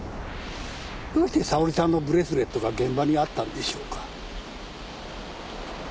どうして沙織さんのブレスレットが現場にあったのでしょうか。